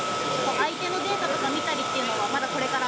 相手のデータとか見たりっていうのは、まだこれから？